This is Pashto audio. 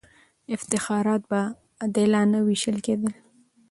افتخارات به عادلانه وېشل کېدله.